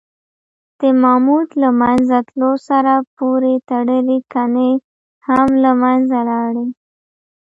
د ماموت له منځه تلو سره پورې تړلي کنې هم له منځه لاړې.